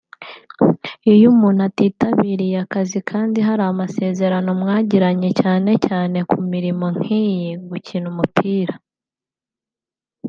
iyo umuntu atitabiriye akazi kandi hari amasezerano mwagiranye cyane cyane ku mirimo nk’iyi (Gukina umupira)